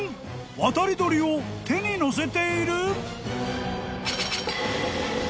渡り鳥を手に乗せている！？］